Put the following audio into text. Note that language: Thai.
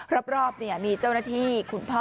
รอบมีเจ้าหน้าที่คุณพ่อ